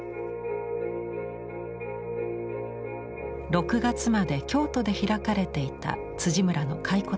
６月まで京都で開かれていた村の回顧展。